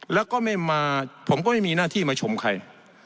แล้วก็ไม่มาผมก็ไม่มีหน้าที่มาชมใคร